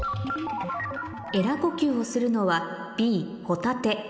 「エラ呼吸をするのはＢホタテ」